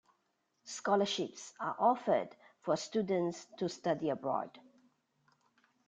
Scholarships are offered for students to study abroad.